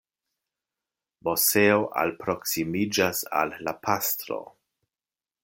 Moseo alproksimiĝas al la pastro.